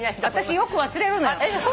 私よく忘れるのよ。